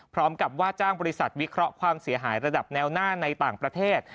พร้อมกับว่าจ้างบริษัทวิเคราะห์ความเสียหายระดับแนวหน้าในต่างประเทศ